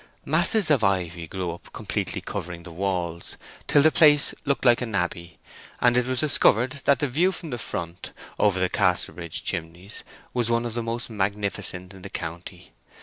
Masses of ivy grew up, completely covering the walls, till the place looked like an abbey; and it was discovered that the view from the front, over the Casterbridge chimneys, was one of the most magnificent in the county.